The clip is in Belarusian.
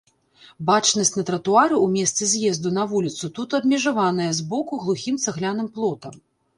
Бачнасць на тратуары ў месцы з'езду на вуліцу тут абмежаваная збоку глухім цагляным плотам.